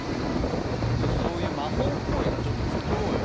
ちょっとそういう魔法っぽいのちょっと作ろうよ。